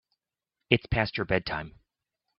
It's past your bedtime.